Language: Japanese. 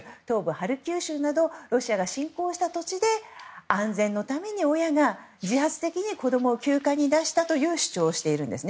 ハルキウ州などロシアが侵攻した土地で安全のために親が自発的に子供を休暇に出したと主張しています。